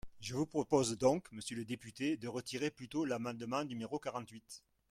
Je vous propose donc, monsieur le député, de retirer plutôt l’amendement numéro quarante-huit.